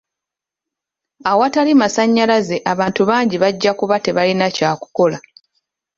Awatali masannyalaze abantu bangi bajja kuba tebalina kya kukola.